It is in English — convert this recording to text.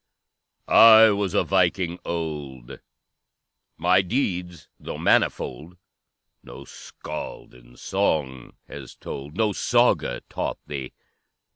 "I was a Viking old! My deeds, though manifold, No Skald in song has told, No Saga taught thee!